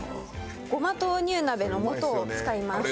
ごま豆乳鍋の素を使います。